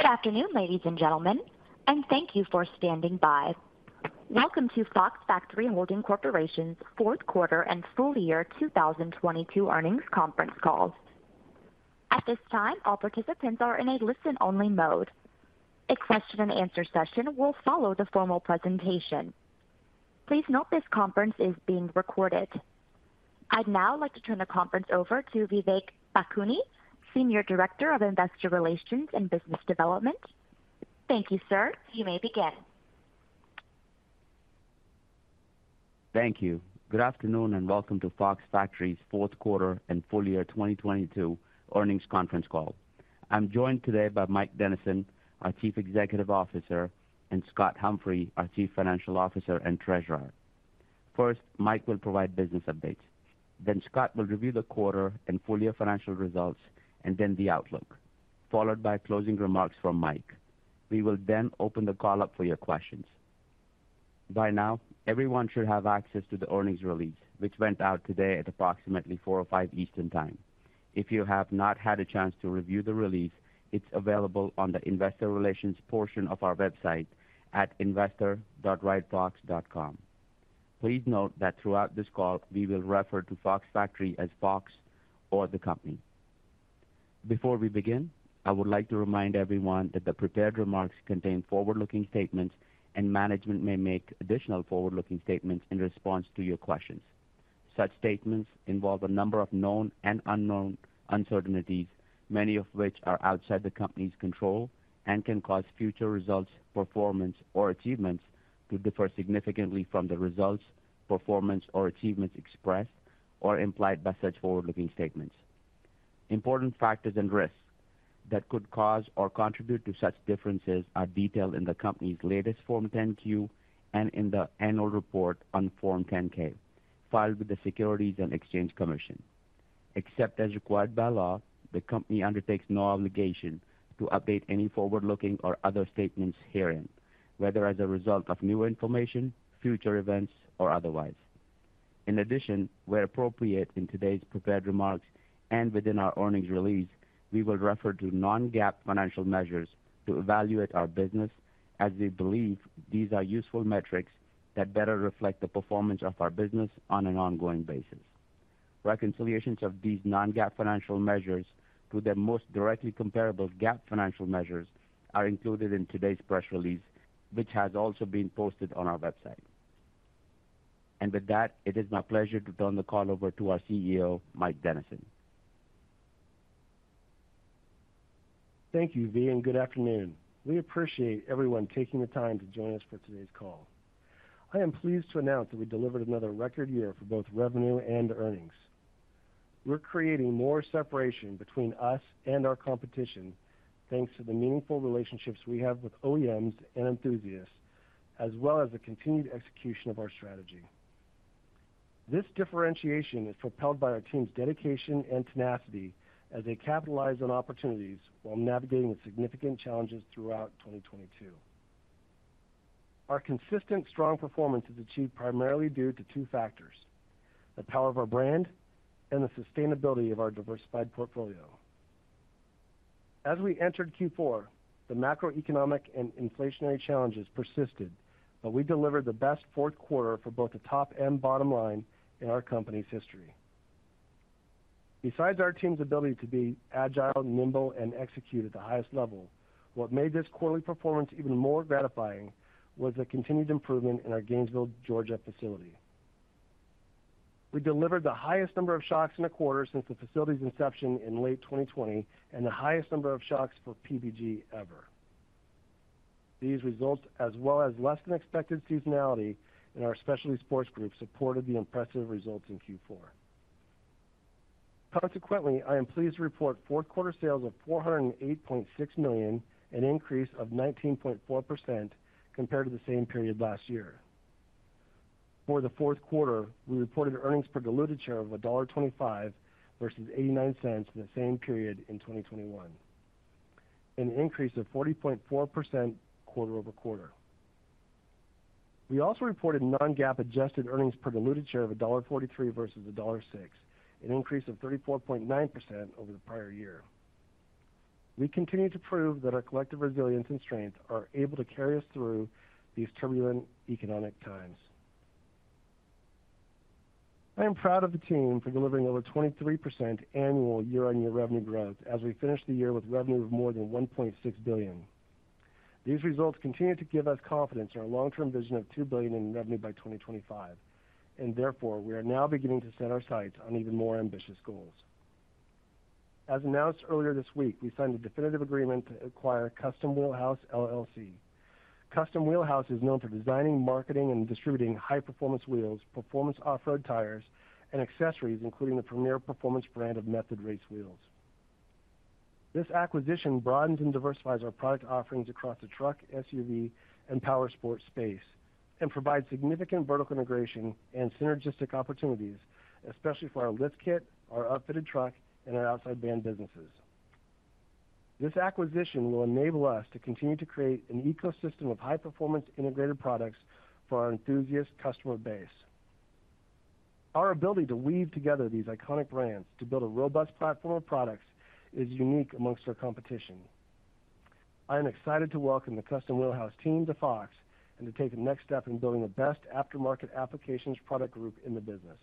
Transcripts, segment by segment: Good afternoon, ladies and gentlemen. Thank you for standing by. Welcome to Fox Factory Holding Corporation's Q4 and full year 2022 earnings conference call. At this time, all participants are in a listen-only mode. A question and answer session will follow the formal presentation. Please note this conference is being recorded. I'd now like to turn the conference over to Vivek Bhakuni, Senior Director of Investor Relations and Business Development. Thank you, sir. You may begin. Thank you. Good afternoon, and welcome to Fox Factory's Q4 and full year 2022 earnings conference call. I'm joined today by Mike Dennison, our Chief Executive Officer, and Scott Humphrey, our Chief Financial Officer and Treasurer. First, Mike will provide business updates, then Scott will review the quarter and full year financial results and then the outlook, followed by closing remarks from Mike. We will open the call up for your questions. By now, everyone should have access to the earnings release, which went out today at approximately 4:05 Eastern Time. If you have not had a chance to review the release, it's available on the investor relations portion of our website at investor.ridefox.com. Please note that throughout this call, we will refer to Fox Factory as Fox or the company. Before we begin, I would like to remind everyone that the prepared remarks contain forward-looking statements, and management may make additional forward-looking statements in response to your questions. Such statements involve a number of known and unknown uncertainties, many of which are outside the company's control and can cause future results, performance or achievements to differ significantly from the results, performance or achievements expressed or implied by such forward-looking statements. Important factors and risks that could cause or contribute to such differences are detailed in the company's latest Form 10-Q and in the annual report on Form 10-K filed with the Securities and Exchange Commission. Except as required by law, the company undertakes no obligation to update any forward-looking or other statements herein, whether as a result of new information, future events, or otherwise. In addition, where appropriate in today's prepared remarks and within our earnings release, we will refer to non-GAAP financial measures to evaluate our business as we believe these are useful metrics that better reflect the performance of our business on an ongoing basis. Reconciliations of these non-GAAP financial measures to their most directly comparable GAAP financial measures are included in today's press release, which has also been posted on our website. With that, it is my pleasure to turn the call over to our CEO, Mike Dennison. Thank you, V. Good afternoon. We appreciate everyone taking the time to join us for today's call. I am pleased to announce that we delivered another record year for both revenue and earnings. We're creating more separation between us and our competition thanks to the meaningful relationships we have with OEMs and enthusiasts, as well as the continued execution of our strategy. This differentiation is propelled by our team's dedication and tenacity as they capitalize on opportunities while navigating the significant challenges throughout 2022. Our consistent strong performance is achieved primarily due to two factors, the power of our brand and the sustainability of our diversified portfolio. As we entered Q4, the macroeconomic and inflationary challenges persisted. We delivered the best Q4 for both the top and bottom line in our company's history. Besides our team's ability to be agile, nimble, and execute at the highest level, what made this quarterly performance even more gratifying was the continued improvement in our Gainesville, Georgia facility. We delivered the highest number of shocks in a quarter since the facility's inception in late 2020 and the highest number of shocks for PVG ever. These results, as well as less than expected seasonality in our Specialty Sports Group, supported the impressive results in Q4. I am pleased to report Q4 sales of $408.6 million, an increase of 19.4% compared to the same period last year. For the Q4, we reported earnings per diluted share of $1.25 versus $0.89 in the same period in 2021, an increase of 40.4% quarter-over-quarter. We also reported non-GAAP adjusted earnings per diluted share of $1.43 versus $1.06, an increase of 34.9% over the prior year. We continue to prove that our collective resilience and strength are able to carry us through these turbulent economic times. I am proud of the team for delivering over 23% annual year-on-year revenue growth as we finish the year with revenue of more than $1.6 billion. These results continue to give us confidence in our long-term vision of $2 billion in revenue by 2025, therefore, we are now beginning to set our sights on even more ambitious goals. As announced earlier this week, we signed a definitive agreement to acquire Custom Wheel House, LLC. Custom Wheel House is known for designing, marketing, and distributing high-performance wheels, performance off-road tires and accessories, including the premier performance brand of Method Race Wheels. This acquisition broadens and diversifies our product offerings across the truck, SUV, and powersport space and provides significant vertical integration and synergistic opportunities, especially for our lift kit, our upfitted truck, and our Outside Van businesses. This acquisition will enable us to continue to create an ecosystem of high-performance integrated products for our enthusiast customer base. Our ability to weave together these iconic brands to build a robust platform of products is unique amongst our competition. I am excited to welcome the Custom Wheel House team to Fox, and to take the next step in building the best aftermarket applications product group in the business.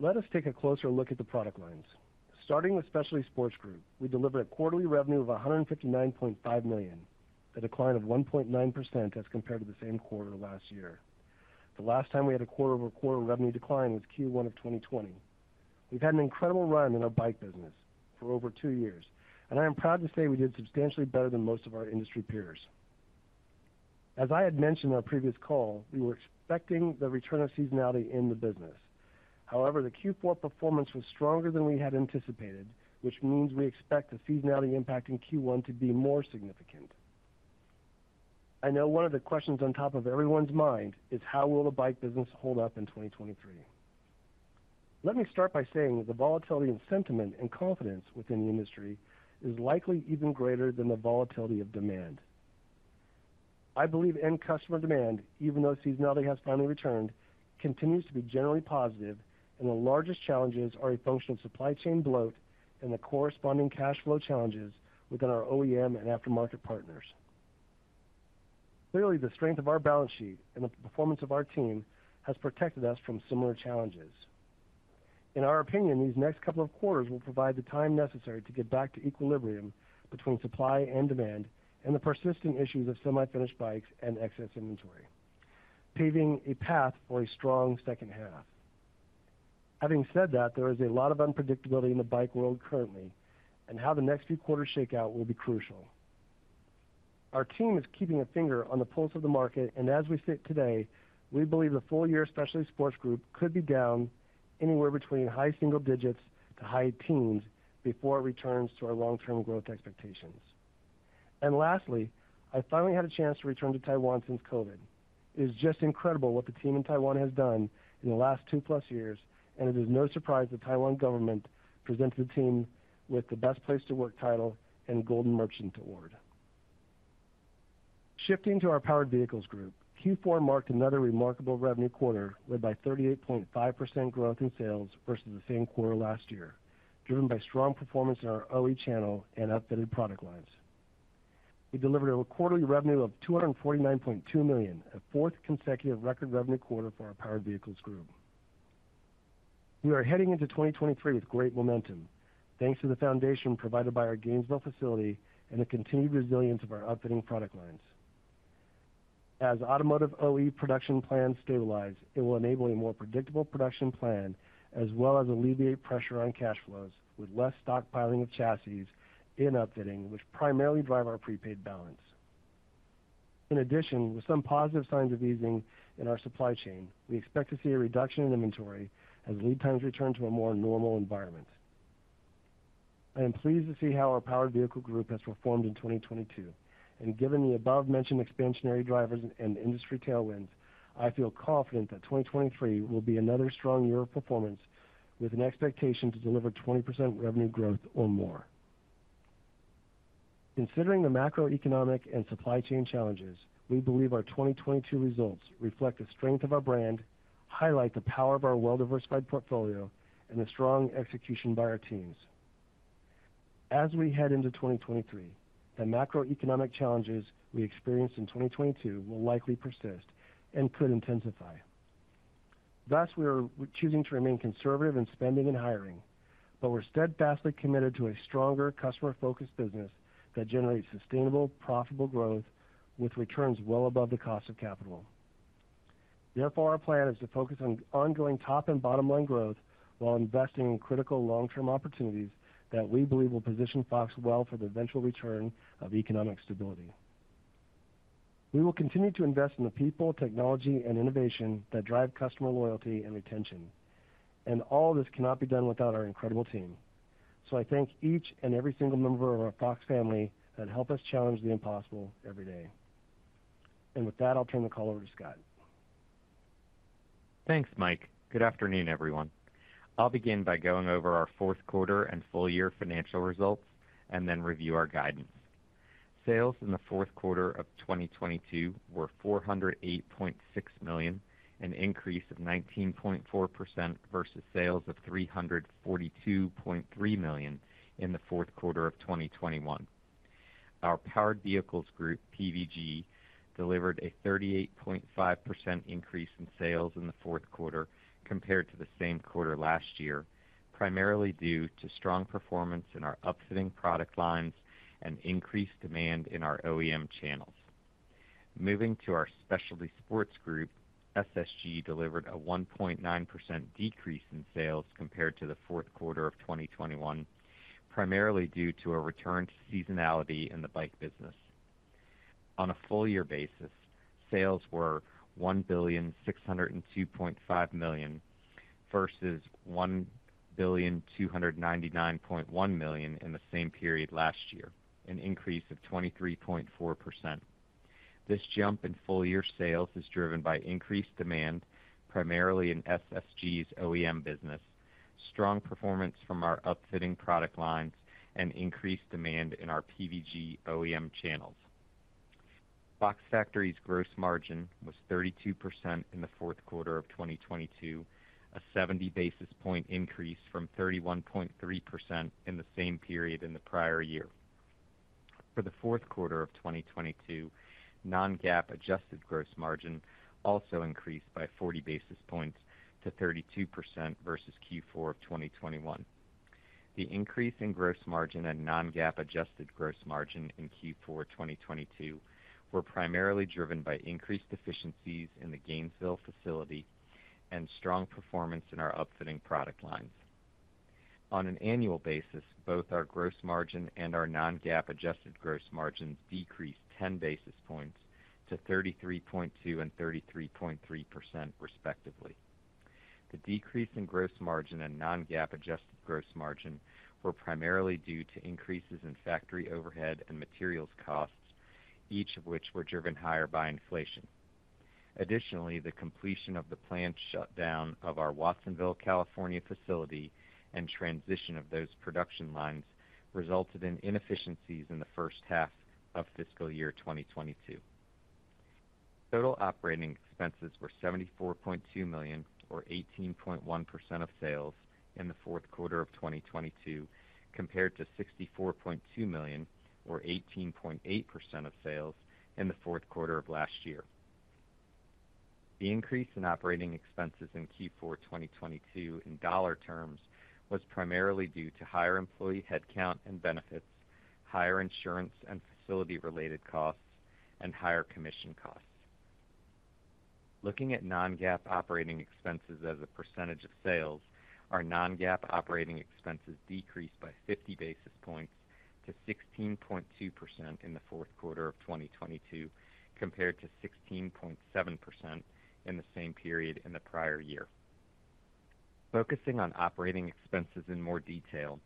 Let us take a closer look at the product lines. Starting with Specialty Sports Group, we delivered a quarterly revenue of $159.5 million, a decline of 1.9% as compared to the same quarter last year. The last time we had a quarter-over-quarter revenue decline was Q1 of 2020. I am proud to say we've had an incredible run in our bike business for over two years, we did substantially better than most of our industry peers. As I had mentioned on a previous call, we were expecting the return of seasonality in the business. However, the Q4 performance was stronger than we had anticipated, which means we expect the seasonality impact in Q1 to be more significant. I know one of the questions on top of everyone's mind is how will the bike business hold up in 2023? Let me start by saying that the volatility and sentiment and confidence within the industry is likely even greater than the volatility of demand. I believe end customer demand, even though seasonality has finally returned, continues to be generally positive, and the largest challenges are a function of supply chain bloat and the corresponding cash flow challenges within our OEM and aftermarket partners. Clearly, the strength of our balance sheet and the performance of our team has protected us from similar challenges. In our opinion, these next couple of quarters will provide the time necessary to get back to equilibrium between supply and demand and the persisting issues of semi-finished bikes and excess inventory, paving a path for a strong second half. Having said that, there is a lot of unpredictability in the bike world currently, and how the next few quarters shake out will be crucial. Our team is keeping a finger on the pulse of the market. As we sit today, we believe the full year Specialty Sports Group could be down anywhere between high single digits to high teens before it returns to our long-term growth expectations. Lastly, I finally had a chance to return to Taiwan since COVID. It is just incredible what the team in Taiwan has done in the last 2-plus years, and it is no surprise the Taiwan government presented the team with the best place to work title and Golden Merchant Award. Shifting to our Powered Vehicles Group, Q4 marked another remarkable revenue quarter, led by 38.5% growth in sales versus the same quarter last year, driven by strong performance in our OE channel and upfitted product lines. We delivered a quarterly revenue of $249.2 million, a fourth consecutive record revenue quarter for our Powered Vehicles Group. We are heading into 2023 with great momentum, thanks to the foundation provided by our Gainesville facility and the continued resilience of our upfitting product lines. As automotive OE production plans stabilize, it will enable a more predictable production plan as well as alleviate pressure on cash flows with less stockpiling of chassis in upfitting, which primarily drive our prepaid balance. In addition, with some positive signs of easing in our supply chain, we expect to see a reduction in inventory as lead times return to a more normal environment. I am pleased to see how our Powered Vehicles Group has performed in 2022. Given the above-mentioned expansionary drivers and industry tailwinds, I feel confident that 2023 will be another strong year of performance with an expectation to deliver 20% revenue growth or more. Considering the macroeconomic and supply chain challenges, we believe our 2022 results reflect the strength of our brand, highlight the power of our well-diversified portfolio, and the strong execution by our teams. As we head into 2023, the macroeconomic challenges we experienced in 2022 will likely persist and could intensify. Thus, we are choosing to remain conservative in spending and hiring. We're steadfastly committed to a stronger customer-focused business that generates sustainable, profitable growth with returns well above the cost of capital. Therefore, our plan is to focus on ongoing top and bottom-line growth while investing in critical long-term opportunities that we believe will position Fox well for the eventual return of economic stability. We will continue to invest in the people, technology, and innovation that drive customer loyalty and retention. All this cannot be done without our incredible team. I thank each and every single member of our Fox family that help us challenge the impossible every day. With that, I'll turn the call over to Scott. Thanks, Mike. Good afternoon, everyone. I'll begin by going over our Q4 and full year financial results and then review our guidance. Sales in the Q4 of 2022 were $408.6 million, an increase of 19.4% versus sales of $342.3 million in the Q4 of 2021. Our Powered Vehicles Group, PVG, delivered a 38.5% increase in sales in the Q4 compared to the same quarter last year, primarily due to strong performance in our upfitting product lines and increased demand in our OEM channels. Moving to our Specialty Sports Group, SSG delivered a 1.9% decrease in sales compared to the Q4 of 2021, primarily due to a return to seasonality in the bike business. On a full year basis, sales were $1,602.5 million versus $1,299.1 million in the same period last year, an increase of 23.4%. This jump in full-year sales is driven by increased demand, primarily in SSG's OEM business. Strong performance from our upfitting product lines and increased demand in our PVG OEM channels. Fox Factory's gross margin was 32% in the Q4 of 2022, a 70 basis point increase from 31.3% in the same period in the prior year. For the Q4 of 2022, non-GAAP adjusted gross margin also increased by 40 basis points to 32% versus Q4 of 2021. The increase in gross margin and non-GAAP adjusted gross margin in Q4 2022 were primarily driven by increased efficiencies in the Gainesville facility and strong performance in our upfitting product lines. On an annual basis, both our gross margin and our non-GAAP adjusted gross margins decreased 10 basis points to 33.2 and 33.3% respectively. The decrease in gross margin and non-GAAP adjusted gross margin were primarily due to increases in factory overhead and materials costs, each of which were driven higher by inflation. Additionally, the completion of the planned shutdown of our Watsonville, California facility and transition of those production lines resulted in inefficiencies in the first half of fiscal year 2022. Total operating expenses were $74.2 million or 18.1% of sales in the Q4 of 2022, compared to $64.2 million or 18.8% of sales in the Q4 of last year. The increase in operating expenses in Q4 2022 in dollar terms was primarily due to higher employee headcount and benefits, higher insurance and facility-related costs, and higher commission costs. Looking at non-GAAP operating expenses as a percentage of sales, our non-GAAP operating expenses decreased by 50 basis points to 16.2% in the Q4 of 2022, compared to 16.7% in the same period in the prior year. Focusing on operating expenses in more detail,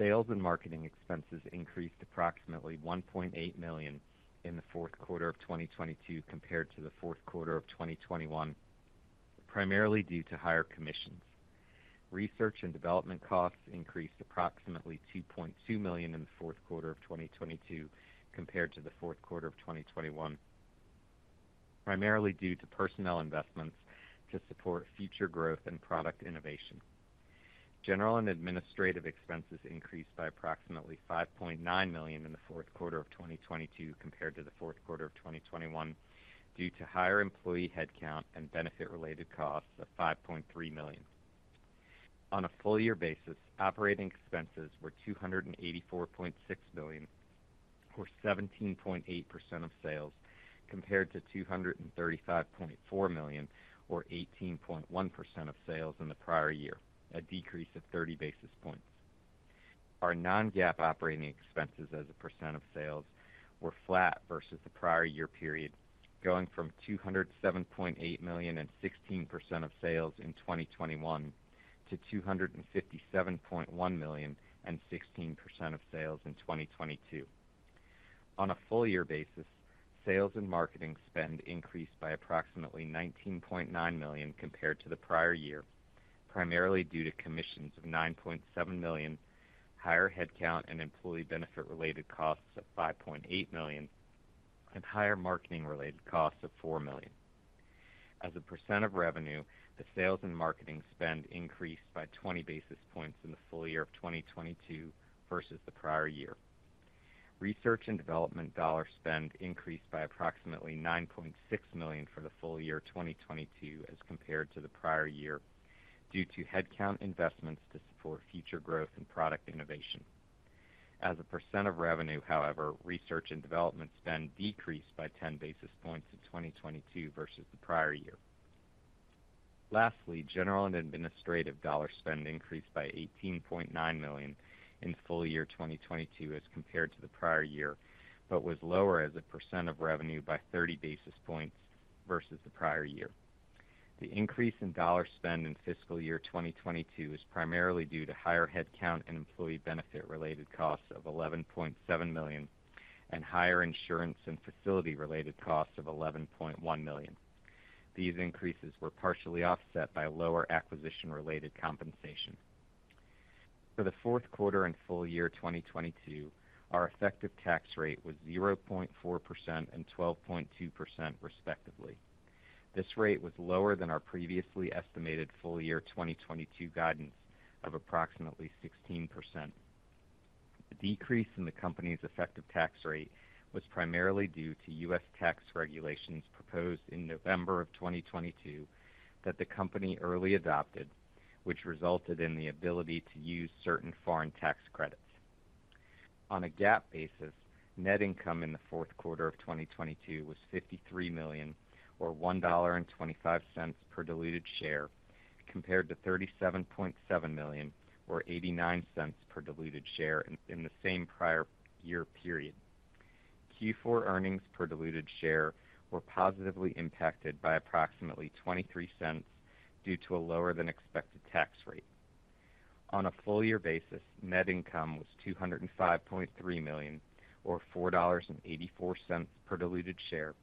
sales and marketing expenses increased approximately $1.8 million in the Q4 of 2022 compared to the Q4 of 2021, primarily due to higher commissions. Research and development costs increased approximately $2.2 million in the Q4 of 2022 compared to the Q4 of 2021, primarily due to personnel investments to support future growth and product innovation. General and administrative expenses increased by approximately $5.9 million in the Q4 of 2022 compared to the Q4 of 2021 due to higher employee headcount and benefit-related costs of $5.3 million. On a full year basis, operating expenses were $284.6 million or 17.8% of sales, compared to $235.4 million or 18.1% of sales in the prior year, a decrease of 30 basis points. Our non-GAAP operating expenses as a percent of sales were flat versus the prior year period, going from $207.8 million and 16% of sales in 2021 to $257.1 million and 16% of sales in 2022. On a full year basis, sales and marketing spend increased by approximately $19.9 million compared to the prior year, primarily due to commissions of $9.7 million, higher headcount and employee benefit related costs of $5.8 million, and higher marketing related costs of $4 million. As a percent of revenue, the sales and marketing spend increased by 20 basis points in the full year of 2022 versus the prior year. Research and development dollar spend increased by approximately $9.6 million for the full year 2022 as compared to the prior year due to headcount investments to support future growth and product innovation. As a percent of revenue, however, research and development spend decreased by 10 basis points in 2022 versus the prior year. Lastly, general and administrative dollar spend increased by $18.9 million in full year 2022 as compared to the prior year, but was lower as a percent of revenue by 30 basis points versus the prior year. The increase in dollar spend in fiscal year 2022 is primarily due to higher headcount and employee benefit related costs of $11.7 million and higher insurance and facility related costs of $11.1 million. These increases were partially offset by lower acquisition related compensation. For the Q4 and full year 2022, our effective tax rate was 0.4% and 12.2% respectively. This rate was lower than our previously estimated full year 2022 guidance of approximately 16%. The decrease in the company's effective tax rate was primarily due to U.S. tax regulations proposed in November of 2022 that the company early adopted, which resulted in the ability to use certain foreign tax credits. On a GAAP basis, net income in the Q4 of 2022 was $53 million or $1.25 per diluted share, compared to $37.7 million or $0.89 per diluted share in the same prior year period. Q4 earnings per diluted share were positively impacted by approximately $0.23 due to a lower than expected tax rate. On a full year basis, net income was $205.3 million or $4.84 per diluted share.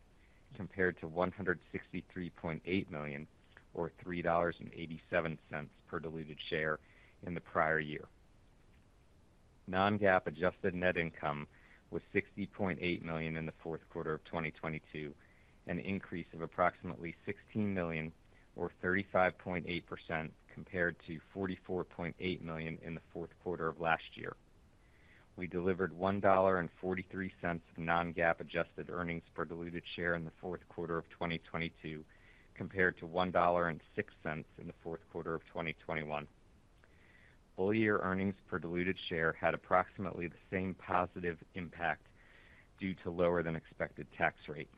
Compared to $163.8 million or $3.87 per diluted share in the prior year. non-GAAP adjusted net income was $60.8 million in the Q4 of 2022, an increase of approximately $16 million or 35.8% compared to $44.8 million in the Q4 of last year. We delivered $1.43 of non-GAAP adjusted earnings per diluted share in the Q4 of 2022 compared to $1.06 in the Q4 of 2021. Full-year earnings per diluted share had approximately the same positive impact due to lower than expected tax rate.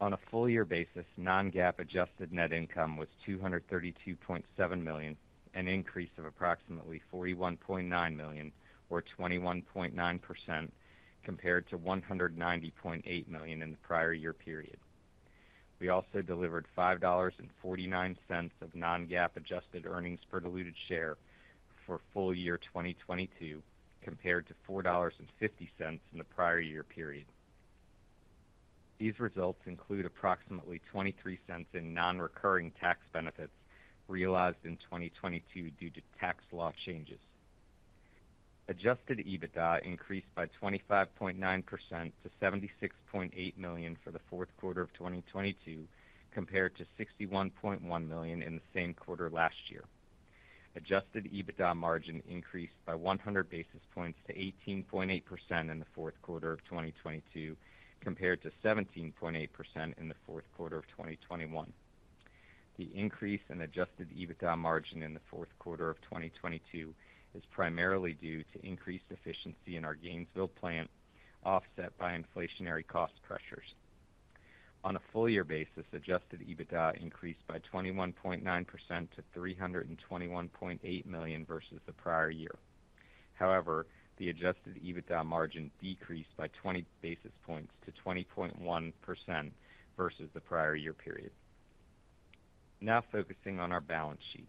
On a full year basis, non-GAAP adjusted net income was $232.7 million, an increase of approximately $41.9 million or 21.9% compared to $190.8 million in the prior year period. We also delivered $5.49 of non-GAAP adjusted earnings per diluted share for full year 2022 compared to $4.50 in the prior year period. These results include approximately $0.23 in non-recurring tax benefits realized in 2022 due to tax law changes. Adjusted EBITDA increased by 25.9% to $76.8 million for the Q4 of 2022 compared to $61.1 million in the same quarter last year. Adjusted EBITDA margin increased by 100 basis points to 18.8% in the Q4 of 2022 compared to 17.8% in the Q4 of 2021. The increase in Adjusted EBITDA margin in the Q4 of 2022 is primarily due to increased efficiency in our Gainesville plant, offset by inflationary cost pressures. On a full year basis, Adjusted EBITDA increased by 21.9% to $321.8 million versus the prior year. The Adjusted EBITDA margin decreased by 20 basis points to 20.1% versus the prior year period. Focusing on our balance sheet.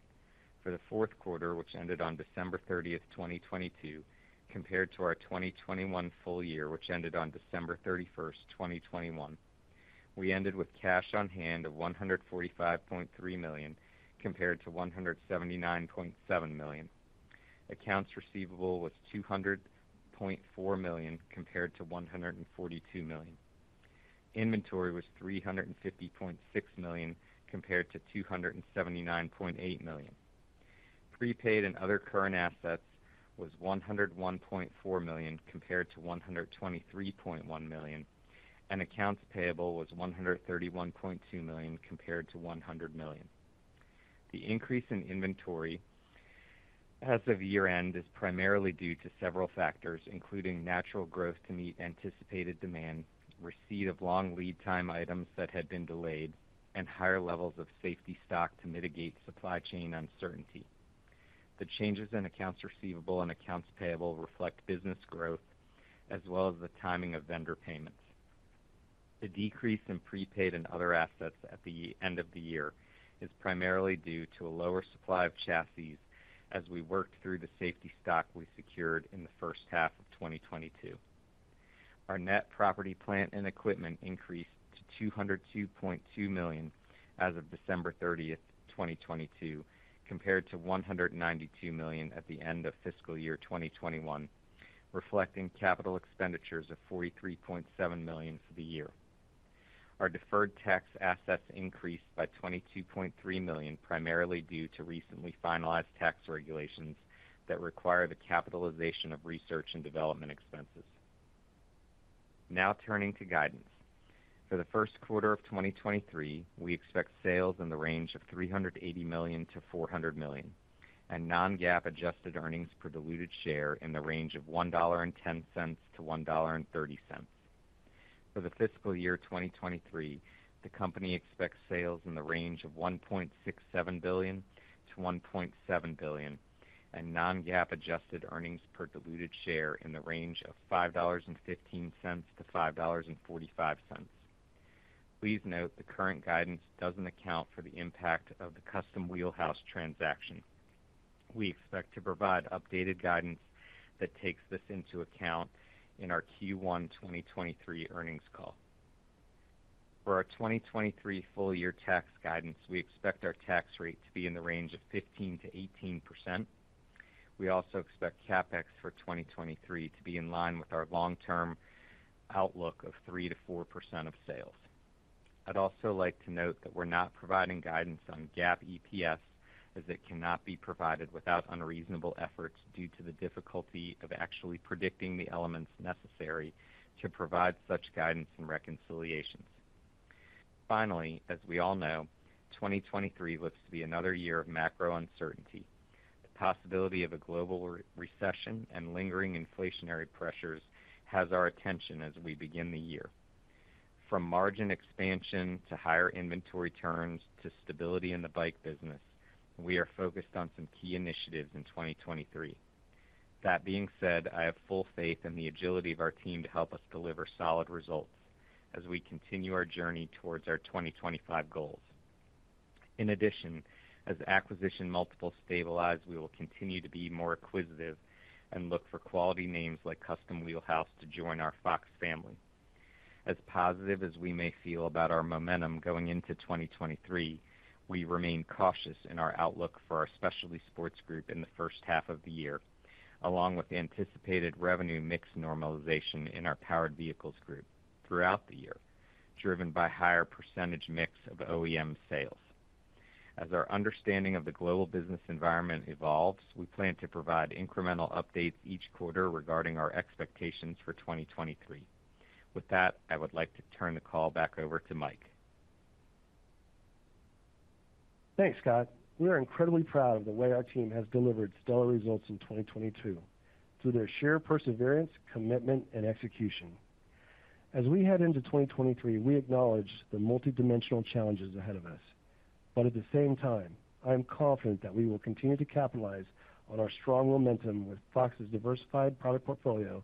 For the Q4, which ended on December 30th, 2022, compared to our 2021 full year, which ended on December 31st, 2021, we ended with cash on hand of $145.3 million compared to $179.7 million. Accounts receivable was $200.4 million compared to $142 million. Inventory was $350.6 million compared to $279.8 million. Prepaid and other current assets was $101.4 million compared to $123.1 million, and accounts payable was $131.2 million compared to $100 million. The increase in inventory as of year-end is primarily due to several factors, including natural growth to meet anticipated demand, receipt of long lead time items that had been delayed, and higher levels of safety stock to mitigate supply chain uncertainty. The changes in accounts receivable and accounts payable reflect business growth as well as the timing of vendor payments. The decrease in prepaid and other assets at the end of the year is primarily due to a lower supply of chassis as we worked through the safety stock we secured in the first half of 2022. Our net property plant and equipment increased to $202.2 million as of December 30th, 2022, compared to $192 million at the end of fiscal year 2021, reflecting CapEx of $43.7 million for the year. Our deferred tax assets increased by $22.3 million, primarily due to recently finalized tax regulations that require the capitalization of research and development expenses. Turning to guidance. For the Q1 of 2023, we expect sales in the range of $380 million-$400 million, and non-GAAP adjusted earnings per diluted share in the range of $1.10-$1.30. For the fiscal year 2023, the company expects sales in the range of $1.67 billion-$1.7 billion and non-GAAP adjusted earnings per diluted share in the range of $5.15-$5.45. Please note the current guidance doesn't account for the impact of the Custom Wheel House transaction. We expect to provide updated guidance that takes this into account in our Q1 2023 earnings call. For our 2023 full year tax guidance, we expect our tax rate to be in the range of 15%-18%. We also expect CapEx for 2023 to be in line with our long-term outlook of 3%-4% of sales. I'd also like to note that we're not providing guidance on GAAP EPS as it cannot be provided without unreasonable efforts due to the difficulty of actually predicting the elements necessary to provide such guidance and reconciliations. Finally, as we all know, 2023 looks to be another year of macro uncertainty. The possibility of a global re-recession and lingering inflationary pressures has our attention as we begin the year. From margin expansion to higher inventory turns to stability in the bike business, we are focused on some key initiatives in 2023. That being said, I have full faith in the agility of our team to help us deliver solid results as we continue our journey towards our 2025 goals. As acquisition multiples stabilize, we will continue to be more acquisitive and look for quality names like Custom Wheel House to join our Fox family. As positive as we may feel about our momentum going into 2023, we remain cautious in our outlook for our Specialty Sports Group in the first half of the year, along with anticipated revenue mix normalization in our Powered Vehicles Group throughout the year, driven by higher % mix of OEM sales. As our understanding of the global business environment evolves, we plan to provide incremental updates each quarter regarding our expectations for 2023. With that, I would like to turn the call back over to Mike. Thanks, Scott. We are incredibly proud of the way our team has delivered stellar results in 2022 through their sheer perseverance, commitment and execution. At the same time, I am confident that we will continue to capitalize on our strong momentum with Fox's diversified product portfolio,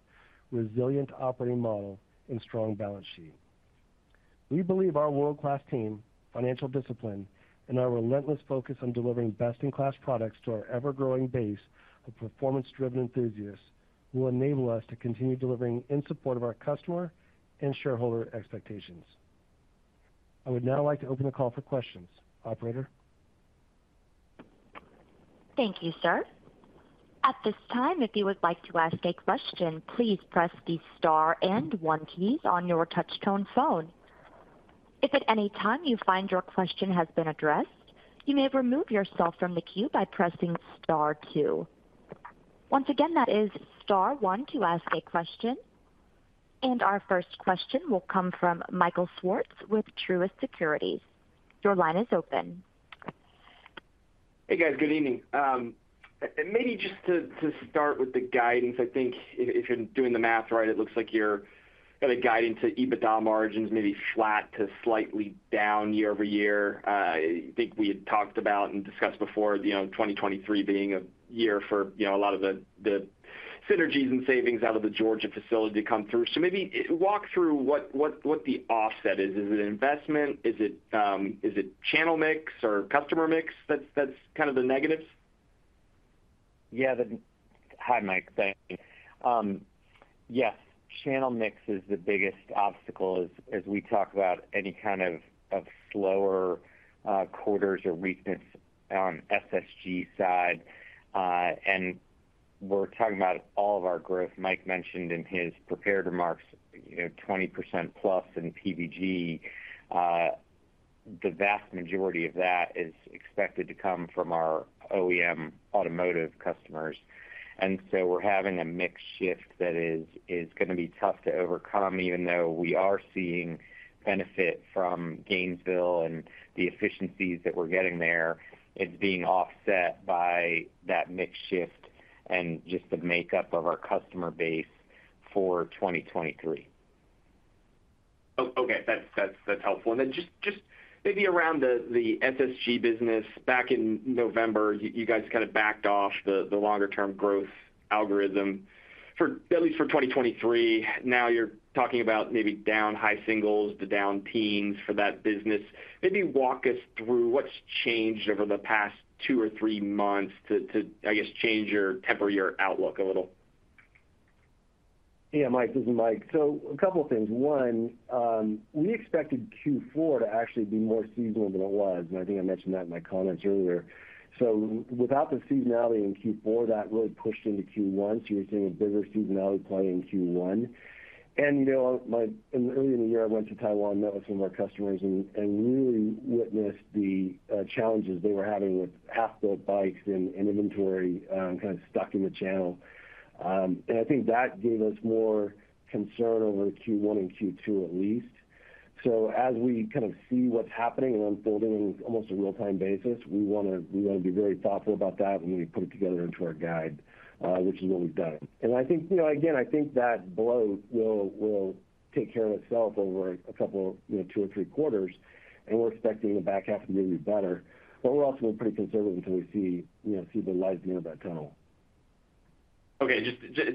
resilient operating model, and strong balance sheet. We believe our world-class team, financial discipline, and our relentless focus on delivering best-in-class products to our ever-growing base of performance-driven enthusiasts will enable us to continue delivering in support of our customer and shareholder expectations. I would now like to open the call for questions. Operator? Thank you, sir. At this time, if you would like to ask a question, please press the star and one keys on your touchtone phone. If at any time you find your question has been addressed, you may remove yourself from the queue by pressing star two. Once again, that is star one to ask a question. Our first question will come from Michael Swartz with Truist Securities. Your line is open. Hey, guys. Good evening. Maybe just to start with the guidance, I think if you're doing the math right, it looks like you're kind of guiding to EBITDA margins maybe flat to slightly down year-over-year. I think we had talked about and discussed before, you know, 2023 being a year for, you know, a lot of the synergies and savings out of the Georgia facility to come through. Maybe walk through what the offset is. Is it investment? Is it channel mix or customer mix that's kind of the negatives? Yeah. Hi, Mike. Thanks. Yes, channel mix is the biggest obstacle as we talk about any kind of slower quarters or weakness on SSG side. Mike mentioned in his prepared remarks, you know, 20% plus in PVG. The vast majority of that is expected to come from our OEM automotive customers. We're having a mix shift that is gonna be tough to overcome, even though we are seeing benefit from Gainesville and the efficiencies that we're getting there. It's being offset by that mix shift and just the makeup of our customer base for 2023. Okay. That's helpful. Then just maybe around the SSG business. Back in November, you guys kind of backed off the longer term growth algorithm for, at least for 2023. Now you're talking about maybe down high singles to down teens for that business. Maybe walk us through what's changed over the past 2 or 3 months to, I guess, temper your outlook a little. Yeah, Mike, this is Mike. A couple of things. One, we expected Q4 to actually be more seasonal than it was, and I think I mentioned that in my comments earlier. Without the seasonality in Q4, that really pushed into Q1. You know, earlier in the year, I went to Taiwan, met with some of our customers and really witnessed the challenges they were having with half-built bikes and inventory kind of stuck in the channel. I think that gave us more concern over Q1 and Q2 at least. As we kind of see what's happening and unfolding in almost a real-time basis, we wanna be very thoughtful about that when we put it together into our guide, which is what we've done. I think, you know, again, I think that blow will take care of itself over a couple of, you know, 2 or 3 quarters. We're expecting the back half to maybe be better. We're also being pretty conservative until we see, you know, see the light at the end of that tunnel. Okay.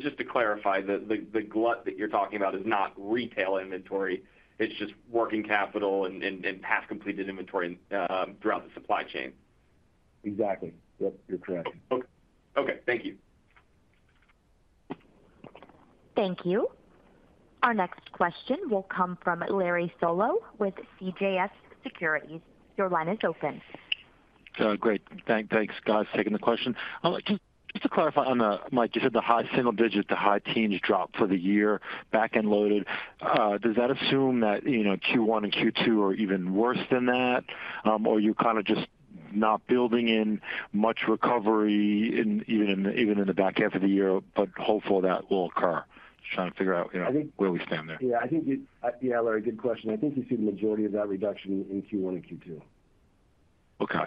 Just to clarify, the glut that you're talking about is not retail inventory, it's just working capital and half-completed inventory throughout the supply chain. Exactly. Yep, you're correct. Okay. Thank you. Thank you. Our next question will come from Larry Solow with CJS Securities. Your line is open. Great. Thanks guys for taking the question. Just to clarify, Mike, you said the high single digits to high teens drop for the year back-end loaded. Does that assume that, you know, Q1 and Q2 are even worse than that, or you're kind of just not building in much recovery even in the back half of the year, but hopeful that will occur? Just trying to figure out, you know, where we stand there. Yeah, I think Larry, good question. I think you see the majority of that reduction in Q1 and Q2. Okay.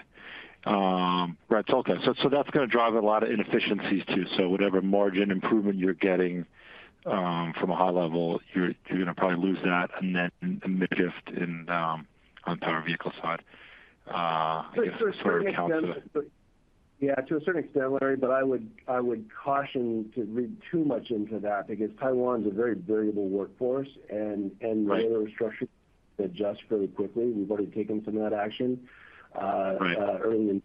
right. Okay. That's gonna drive a lot of inefficiencies too. Whatever margin improvement you're getting, from a high level, you're gonna probably lose that and then a mix shift in, on the power vehicle side, I guess to sort of. To a certain extent, Larry, I would caution to read too much into that because Taiwan is a very variable workforce. Right And labor structure adjust very quickly. We've already taken some of that action. Right Early in.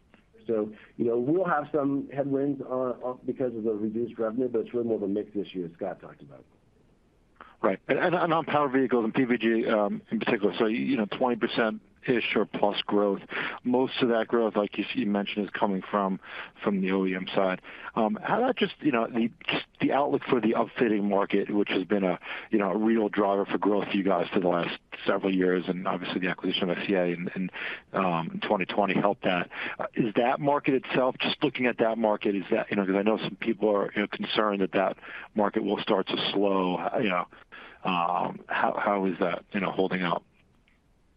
You know, we'll have some headwinds on, because of the reduced revenue, but it's really more of a mix this year as Scott talked about. Right. On Powered Vehicles and PVG, in particular. You know, 20%-ish or plus growth. Most of that growth, like you mentioned, is coming from the OEM side. How about just, you know, the outlook for the upfitting market, which has been a, you know, a real driver for growth for you guys for the last several years, and obviously the acquisition of SCA in 2020 helped that. Is that market itself, just looking at that market, is that, you know, because I know some people are, you know, concerned that that market will start to slow? How is that, you know, holding out?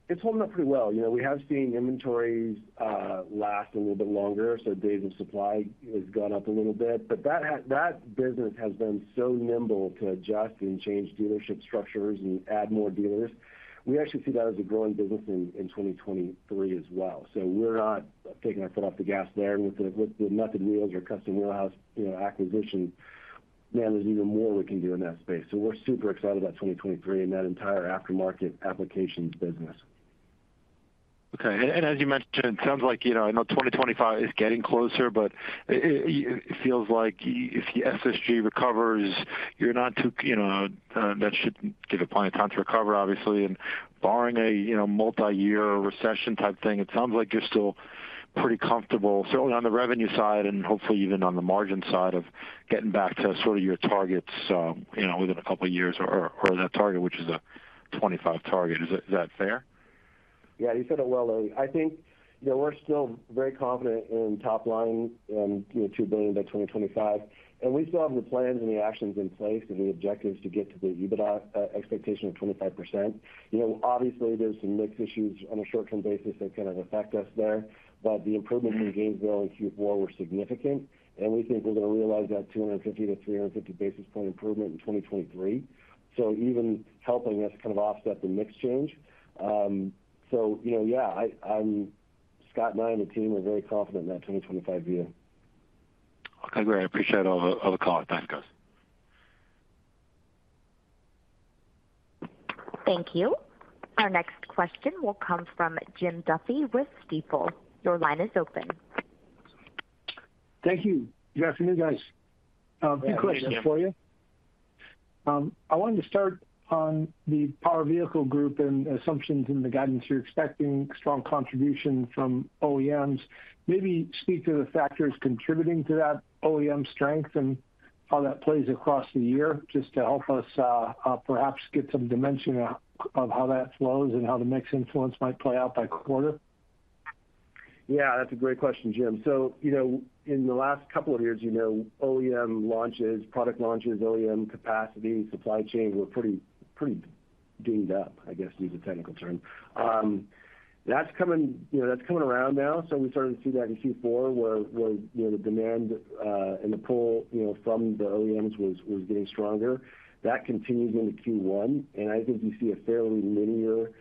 It's holding up pretty well. You know, we have seen inventories last a little bit longer, so days of supply has gone up a little bit. That business has been so nimble to adjust and change dealership structures and add more dealers. We actually see that as a growing business in 2023 as well. We're not taking our foot off the gas there. With the Method Wheels or Custom Wheel House, you know, acquisition, man, there's even more we can do in that space. We're super excited about 2023 and that entire aftermarket applications business. Okay. As you mentioned, it sounds like, you know, I know 2025 is getting closer, but it feels like if the SSG recovers, you're not too, you know, that should give plenty of time to recover, obviously. Barring a, you know, multi-year recession type thing, it sounds like you're still pretty comfortable, certainly on the revenue side and hopefully even on the margin side of getting back to sort of your targets, you know, within a couple of years or that target, which is a 25 target. Is that, is that fair? Yeah, you said it well, Larry. I think, you know, we're still very confident in top line and, you know, $2 billion by 2025. We still have the plans and the actions in place and the objectives to get to the EBITDA expectation of 25%. You know, obviously, there's some mix issues on a short-term basis that kind of affect us there. The improvement in Gainesville and Q4 were significant, and we think we're gonna realize that 250-350 basis point improvement in 2023. Even helping us kind of offset the mix change. Scott and I and the team are very confident in that 2025 view. Okay, great. I appreciate all the color. Thanks, guys. Thank you. Our next question will come from Jim Duffy with Stifel. Your line is open. Thank you. Good afternoon, guys. Yeah. Good afternoon, Jim. Two questions for you. I wanted to start on the Powered Vehicles Group and assumptions in the guidance. You're expecting strong contribution from OEMs. Maybe speak to the factors contributing to that OEM strength and how that plays across the year just to help us, perhaps get some dimension of how that flows and how the mix influence might play out by quarter. Yeah, that's a great question, Jim. You know, in the last couple of years, you know, OEM launches, product launches, OEM capacity, supply chain were pretty dinged up, I guess, to use a technical term. That's coming, you know, that's coming around now. We're starting to see that in Q4 where, you know, the demand and the pull, you know, from the OEMs was getting stronger. That continues into Q1, and I think you see a fairly linear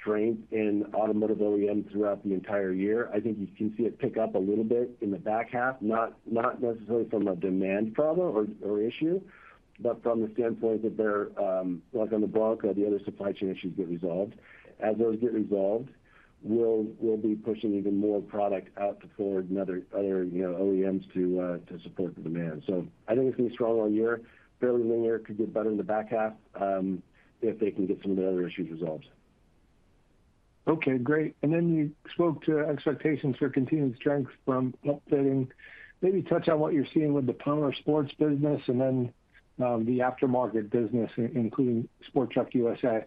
strength in automotive OEM throughout the entire year. I think you can see it pick up a little bit in the back half, not necessarily from a demand problem or issue, but from the standpoint of their, like on the block or the other supply chain issues get resolved. As those get resolved, we'll be pushing even more product out to Ford and other, you know, OEMs to support the demand. I think it's gonna be strong all year. Fairly linear. Could get better in the back half, if they can get some of the other issues resolved. Okay, great. Then you spoke to expectations for continued strength from upfitting. Maybe touch on what you're seeing with the powersports business and then the aftermarket business including Sport Truck USA.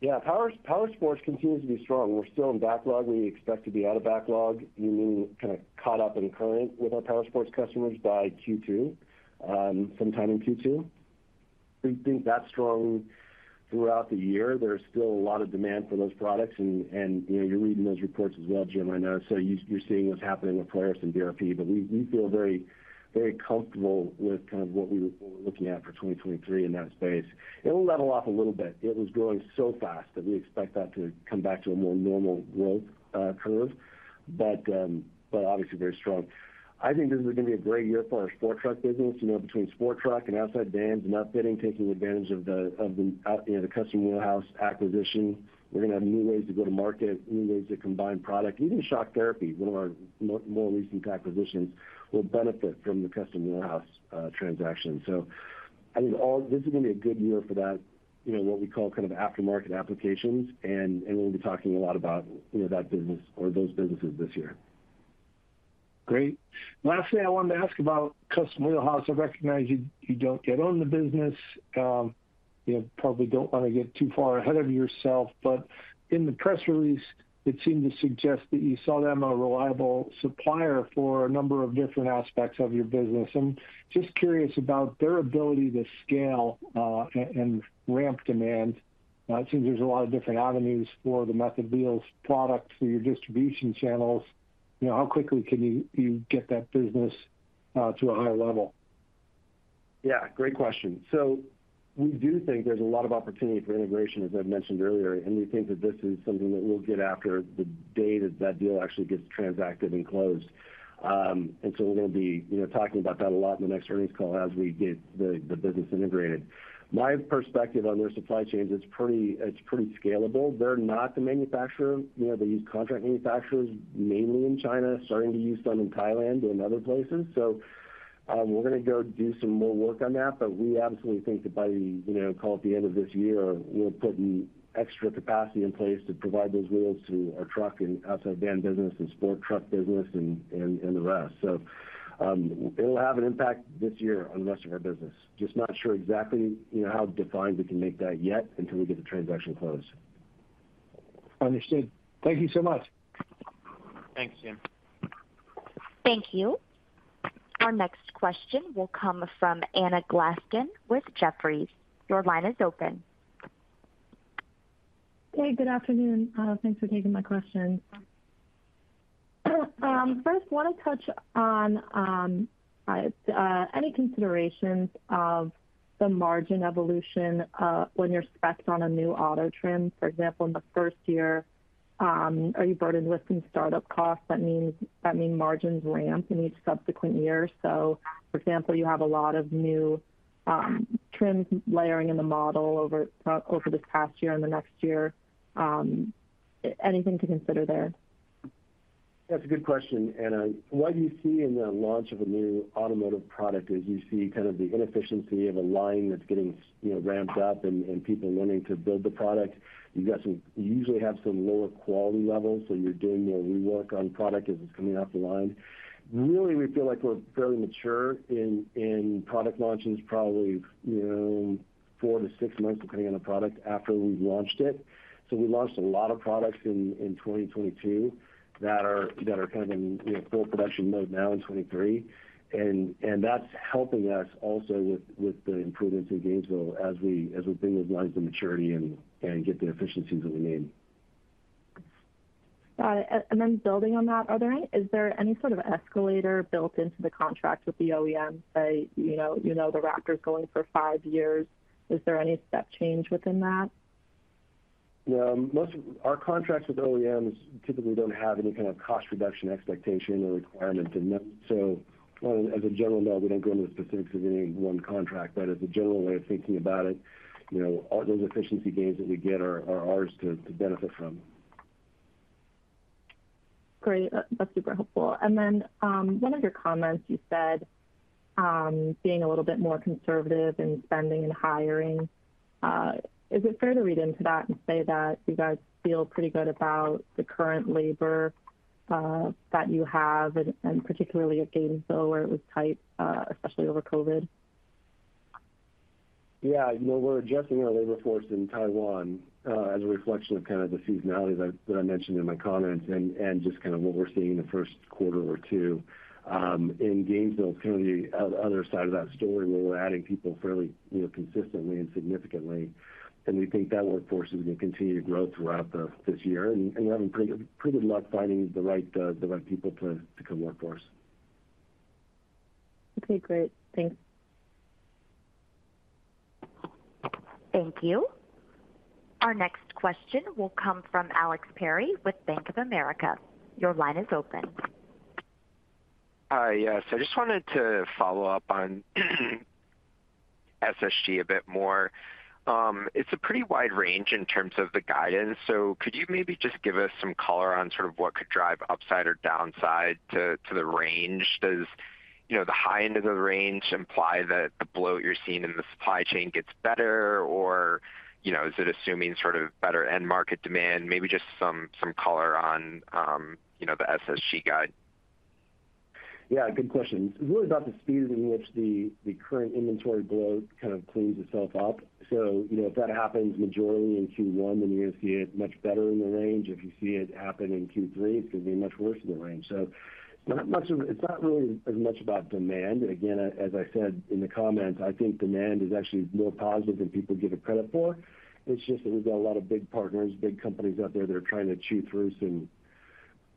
Yeah. Power sports continues to be strong. We're still in backlog. We expect to be out of backlog, meaning kind of caught up in current with our power sports customers by Q2, sometime in Q2. We think that's strong throughout the year. There's still a lot of demand for those products and, you know, you're reading those reports as well, Jim, I know. You're seeing what's happening with Polaris and BRP. We feel very, very comfortable with kind of what we were looking at for 2023 in that space. It'll level off a little bit. It was growing so fast that we expect that to come back to a more normal growth curve. Obviously very strong. I think this is gonna be a great year for our Sport Truck business. You know, between Sport Truck and Outside Van and upfitting, taking advantage of the you know, the Custom Wheel House acquisition. We're gonna have new ways to go to market, new ways to combine product. Even Shock Therapy, one of our more recent acquisitions, will benefit from the Custom Wheel House transaction. I think this is gonna be a good year for that, you know, what we call kind of aftermarket applications and we'll be talking a lot about, you know, that business or those businesses this year. Great. Lastly, I wanted to ask about Custom Wheel House. I recognize you don't get own the business. You probably don't want to get too far ahead of yourself. In the press release it seemed to suggest that you saw them a reliable supplier for a number of different aspects of your business. I'm just curious about their ability to scale and ramp demand. It seems there's a lot of different avenues for the Method Race Wheels product through your distribution channels. You know, how quickly can you get that business to a higher level? Yeah, great question. We do think there's a lot of opportunity for integration, as I mentioned earlier, and we think that this is something that we'll get after the day that that deal actually gets transacted and closed. We're gonna be, you know, talking about that a lot in the next earnings call as we get the business integrated. My perspective on their supply chains, it's pretty scalable. They're not the manufacturer. You know, they use contract manufacturers mainly in China, starting to use some in Thailand and other places. We're gonna go do some more work on that, but we absolutely think that by the, you know, call at the end of this year, we'll have put an extra capacity in place to provide those wheels to our truck and Outside Van business and Sport Truck business and the rest. It'll have an impact this year on the rest of our business. Just not sure exactly, you know, how defined we can make that yet until we get the transaction closed. Understood. Thank you so much. Thanks, Jim. Thank you. Our next question will come from Anna Glaessgen with Jefferies. Your line is open. Hey, good afternoon. Thanks for taking my question. 1st, wanna touch on any considerations of the margin evolution when you're spec'd on a new auto trim. For example, in the 1st year, are you burdened with some startup costs that mean margins ramp in each subsequent year? For example, you have a lot of new trims layering in the model over this past year and the next year. Anything to consider there? That's a good question, Anna. What you see in the launch of a new automotive product is you see kind of the inefficiency of a line that's getting you know, ramped up and people learning to build the product. You usually have some lower quality levels, so you're doing more rework on product as it's coming off the line. Really, we feel like we're fairly mature in product launches, probably, you know, four to six months, depending on the product, after we've launched it. We launched a lot of products in 2022 that are kind of in, you know, full production mode now in 2023. That's helping us also with the improvements in Gainesville as we bring those lines to maturity and get the efficiencies that we need. Got it. Building on that, is there any sort of escalator built into the contract with the OEM? Say, you know, the Raptor's going for five years. Is there any step change within that? Yeah. Most of our contracts with OEMs typically don't have any kind of cost reduction expectation or requirement in them. As a general note, we don't go into the specifics of any one contract, but as a general way of thinking about it, you know, all those efficiency gains that we get are ours to benefit from. Great. That's super helpful. One of your comments, you said, being a little bit more conservative in spending and hiring. Is it fair to read into that and say that you guys feel pretty good about the current labor that you have and particularly at Gainesville where it was tight, especially over COVID? Yeah. You know, we're adjusting our labor force in Taiwan, as a reflection of kind of the seasonality that I mentioned in my comments and just kind of what we're seeing in the Q1 or Q2. In Gainesville, it's kind of the other side of that story where we're adding people fairly, you know, consistently and significantly, and we think that workforce is gonna continue to grow throughout this year. We're having pretty good luck finding the right people to come work for us. Okay, great. Thanks. Thank you. Our next question will come from Alex Perry with Bank of America. Your line is open. Hi. Yes. I just wanted to follow up on SSG a bit more. It's a pretty wide range in terms of the guidance. Could you maybe just give us some color on sort of what could drive upside or downside to the range? Does, you know, the high end of the range imply that the bloat you're seeing in the supply chain gets better? You know, is it assuming sort of better end market demand? Maybe just some color on, you know, the SSG guide. Yeah, good question. It's really about the speed in which the current inventory bloat kind of cleans itself up. You know, if that happens majority in Q1, then you're gonna see it much better in the range. If you see it happen in Q3, it's gonna be much worse in the range. It's not really as much about demand. Again, as I said in the comments, I think demand is actually more positive than people give it credit for. It's just that we've got a lot of big partners, big companies out there that are trying to chew through some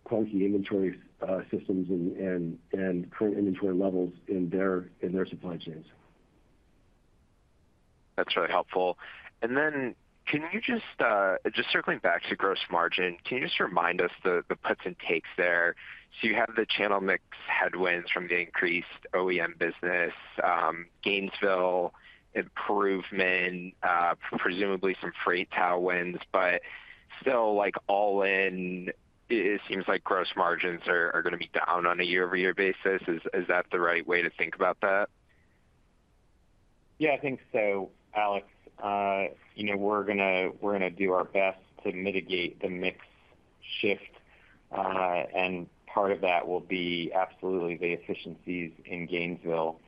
clunky inventory systems and current inventory levels in their supply chains. That's really helpful. Can you just circling back to gross margin, can you just remind us the puts and takes there? You have the channel mix headwinds from the increased OEM business, Gainesville improvement, presumably some freight tailwinds, but still, like, all in, it seems like gross margins are gonna be down on a year-over-year basis. Is that the right way to think about that? Yeah, I think so, Alex. you know, we're gonna do our best to mitigate the mix shift, and part of that will be absolutely the efficiencies in Gainesville.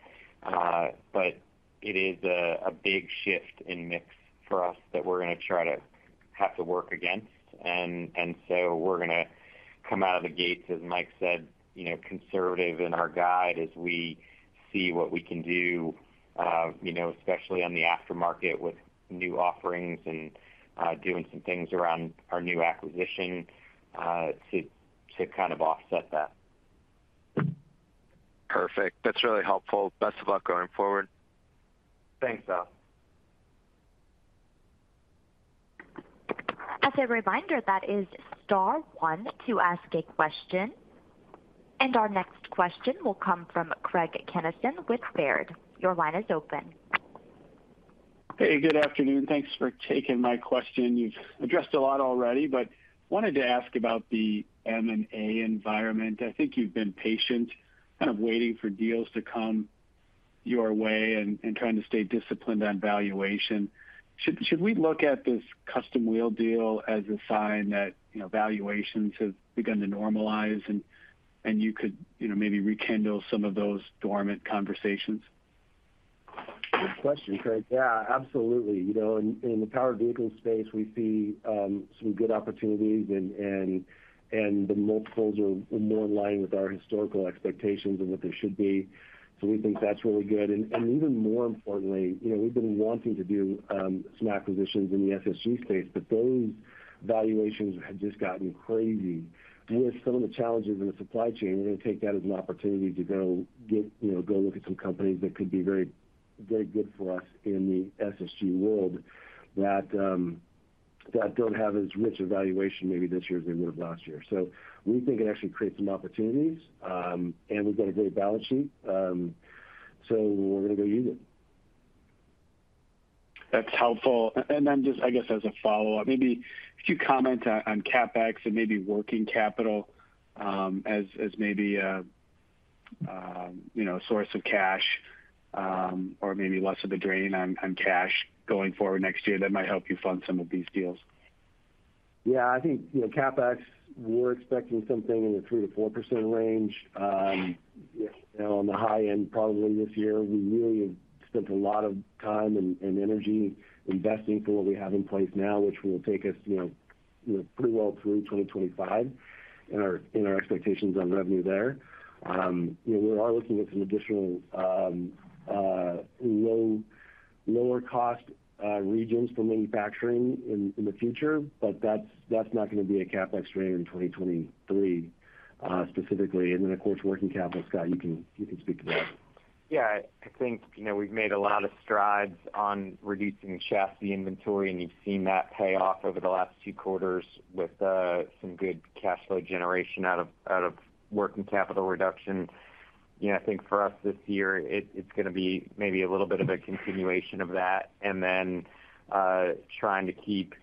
It is a big shift in mix for us that we're gonna try to have to work against. We're gonna come out of the gates, as Mike said, you know, conservative in our guide as we see what we can do, you know, especially on the aftermarket with new offerings and doing some things around our new acquisition, to. To kind of offset that. Perfect. That's really helpful. Best of luck going forward. Thanks, Al. As a reminder, that is star one to ask a question. Our next question will come from Craig Kennison with Baird. Your line is open. Hey, good afternoon. Thanks for taking my question. You've addressed a lot already, but wanted to ask about the M&A environment. I think you've been patient kind of waiting for deals to come your way and trying to stay disciplined on valuation. Should we look at this Custom Wheel deal as a sign that, you know, valuations have begun to normalize and you could, you know, maybe rekindle some of those dormant conversations? Good question, Craig. Yeah, absolutely. You know, in the powered vehicles space, we see some good opportunities and the multiples are more in line with our historical expectations and what they should be. We think that's really good. Even more importantly, you know, we've been wanting to do some acquisitions in the SSG space, but those valuations had just gotten crazy. With some of the challenges in the supply chain, we're gonna take that as an opportunity to go look at some companies that could be very, very good for us in the SSG world that don't have as rich valuation maybe this year as they would have last year. We think it actually creates some opportunities, and we've got a great balance sheet, we're gonna go use it. That's helpful. Just I guess as a follow-up, maybe if you comment on CapEx and maybe working capital, as maybe a, you know, source of cash, or maybe less of a drain on cash going forward next year that might help you fund some of these deals. I think, you know, CapEx, we're expecting something in the 3%-4% range, you know, on the high end probably this year. We really have spent a lot of time and energy investing for what we have in place now, which will take us, you know, pretty well through 2025 in our expectations on revenue there. You know, we are looking at some additional lower cost regions for manufacturing in the future, but that's not gonna be a CapEx drain in 2023 specifically. Then of course, working capital, Scott, you can speak to that. I think, you know, we've made a lot of strides on reducing chassis inventory, and you've seen that pay off over the last two quarters with some good cash flow generation out of working capital reduction. You know, I think for us this year, it's gonna be maybe a little bit of a continuation of that, and then trying to keep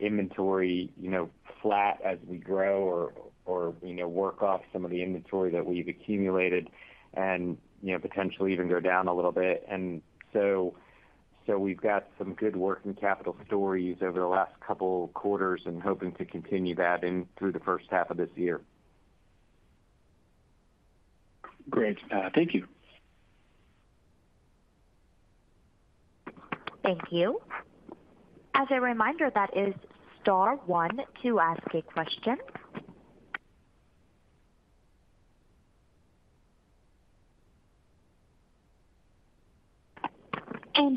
inventory, you know, flat as we grow or, you know, work off some of the inventory that we've accumulated and, you know, potentially even go down a little bit. We've got some good working capital stories over the last couple quarters and hoping to continue that in through the first half of this year. Great. Thank you. Thank you. As a reminder, that is star one to ask a question.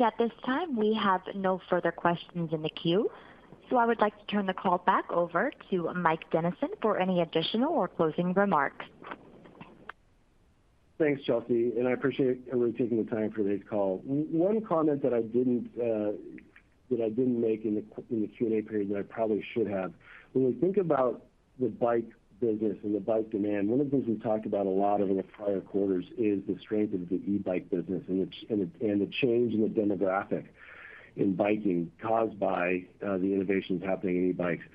At this time, we have no further questions in the queue. I would like to turn the call back over to Mike Dennison for any additional or closing remarks. Thanks, Chelsea. I appreciate everybody taking the time for today's call. One comment that I didn't, that I didn't make in the Q&A period that I probably should have. When we think about the bike business and the bike demand, one of the things we've talked about a lot over the prior quarters is the strength of the e-bike business and the change in the demographic in biking caused by the innovations happening in e-bikes.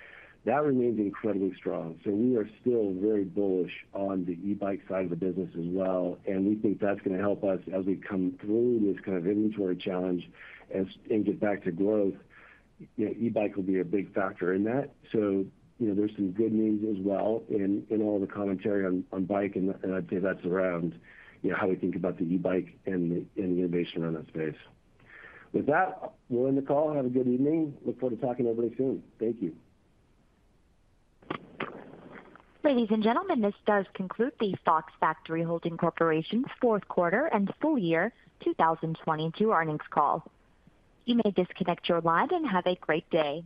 That remains incredibly strong. We are still very bullish on the e-bike side of the business as well, and we think that's gonna help us as we come through this kind of inventory challenge and get back to growth. You know, e-bike will be a big factor in that. You know, there's some good news as well in all the commentary on bike, and I'd say that's around, you know, how we think about the e-bike and the, and the innovation in that space. With that, we'll end the call. Have a good evening. Look forward to talking to everybody soon. Thank you. Ladies and gentlemen, this does conclude the Fox Factory Holding Corporation's Q4 and full year 2022 earnings call. You may disconnect your line and have a great day.